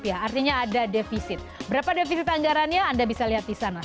artinya ada defisit berapa defisit anggarannya anda bisa lihat di sana